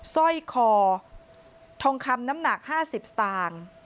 สร้อยคอทองคำน้ำหนัก๕๐สตางค์